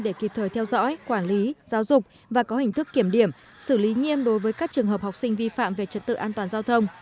để kịp thời theo dõi quản lý giáo dục và có hình thức kiểm điểm xử lý nghiêm đối với các trường hợp học sinh vi phạm về trật tự an toàn giao thông